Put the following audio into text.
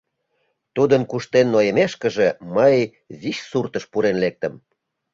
Тудын куштен нойымешкыже, мый вич «суртыш» пурен лектым.